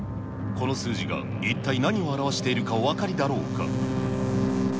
この数字が一体何を表しているかお分かりだろうか。